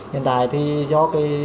hiện tại thì do